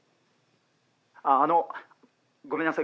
ああのごめんなさい